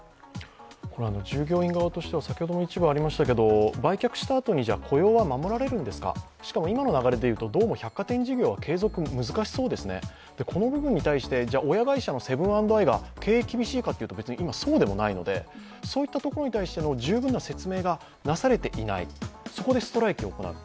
従業員側としては売却したあとに雇用は守られるんですか、しかも今の流れでいうと、どうも百貨店事業は継続が難しそうですね、この部分に対して親会社のセブン＆アイが経営厳しいかっていうと今、そうでもないのでそういったところに対しての十分な説明がなされていない、そこでストライキを行う。